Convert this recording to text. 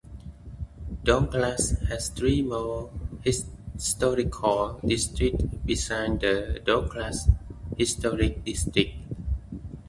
Douglas has three more historical districts besides the Douglas Historic District.